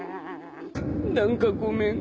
何かごめん。